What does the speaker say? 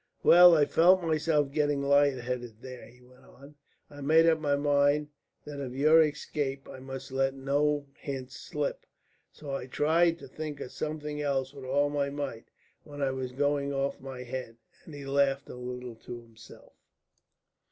"Well, I felt myself getting light headed there," he went on. "I made up my mind that of your escape I must let no hint slip. So I tried to think of something else with all my might, when I was going off my head." And he laughed a little to himself.